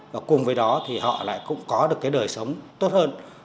và cùng với đó thì họ lại cũng có được cái đời sống tốt hơn